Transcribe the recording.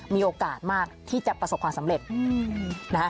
มีโอกาสมากที่จะประสบความสำเร็จนะคะ